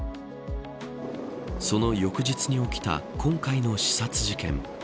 その翌日に起きた今回の刺殺事件。